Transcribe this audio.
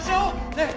ねえ。